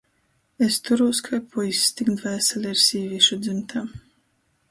Es turūs kai puiss, tik dvēsele ir sīvīšu dzymtā.